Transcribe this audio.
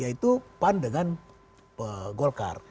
itu pandangan golkar